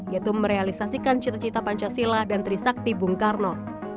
yaitu merealisasikan cita cita pancasila dan trisakti bung karno